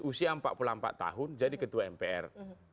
usia empat puluh empat tahun jadi ketua mpr